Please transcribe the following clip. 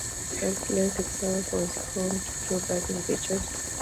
Reeds Lake itself was home to two bathing beaches.